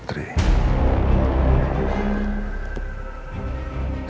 andini karisma putri